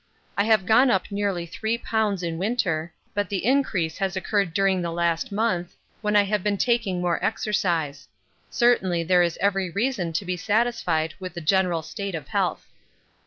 I have gone up nearly 3 lbs. in winter, but the increase has occurred during the last month, when I have been taking more exercise. Certainly there is every reason to be satisfied with the general state of health.